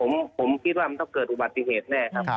ผมคิดว่ามันต้องเกิดอุบัติเหตุแน่ครับ